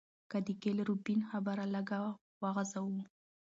که د ګيل روبين خبره لږه وغزوو